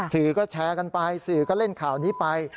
สื่อก็แชร์กันไปสื่อก็เล่นข่าวนี้ไป